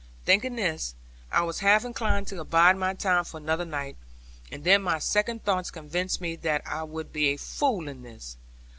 Thinking thus, I was half inclined to abide my time for another night: and then my second thoughts convinced me that I would be a fool in this.